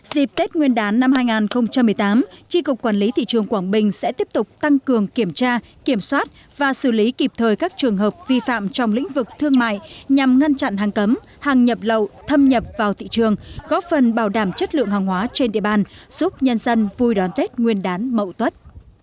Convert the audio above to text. dịp tết nguyên đán năm hai nghìn một mươi tám tri cục quản lý thị trường quảng bình sẽ tiếp tục tăng cường kiểm tra kiểm soát và xử lý kịp thời các trường hợp vi phạm trong lĩnh vực thương mại nhằm ngăn chặn hàng cấm hàng nhập lậu thâm nhập vào thị trường góp phần bảo đảm chất lượng hàng hóa trên địa bàn giúp nhân dân vui đón tết nguyên đán mậu tuất